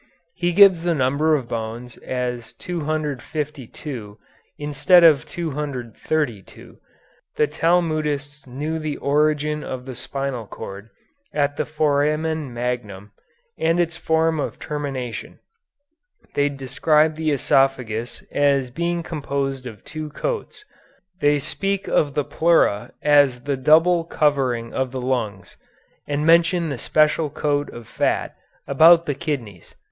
He gives the number of bones as 252 instead of 232. The Talmudists knew the origin of the spinal cord at the foramen magnum and its form of termination; they described the oesophagus as being composed of two coats; they speak of the pleura as the double covering of the lungs; and mention the special coat of fat about the kidneys.